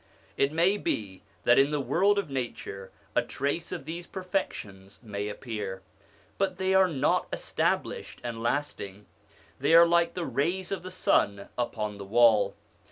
It may be that in the world of nature a trace of these perfections may appear; but they are not established and lasting ; they are like the rays of the sun upon the wall.